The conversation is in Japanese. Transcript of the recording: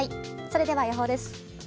それでは予報です。